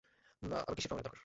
আবার কিসের প্রমাণের দরকার?